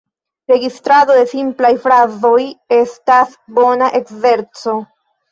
Registrado de simplaj frazoj estas bona ekzerco.